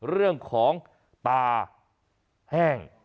เรื่องของตาแห้ง